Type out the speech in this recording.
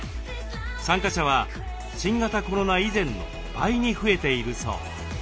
参加者は新型コロナ以前の倍に増えているそう。